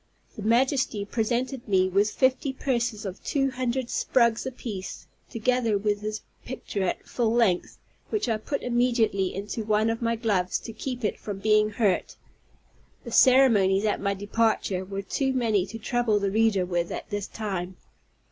His Majesty presented me with fifty purses of two hundred sprugs apiece, together with his picture at full length, which I put immediately into one of my gloves, to keep it from being hurt. The ceremonies at my departure were too many to trouble the reader with at this time.